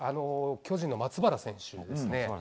巨人の松原選手ですね。